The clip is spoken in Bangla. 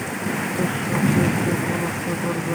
দর্শকদেরকে প্রলুব্ধ করবে।